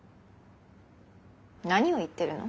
何を言ってるの？